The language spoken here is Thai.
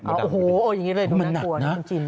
โอ้โฮอย่างนี้เลยหนูน่ากลัวนี่คุณจิน